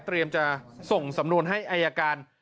เตรียมส่งสำนวนให้ไออาการ